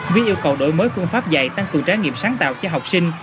với yêu cầu đổi mới phương pháp dạy tăng cường trái nghiệm sáng tạo cho học sinh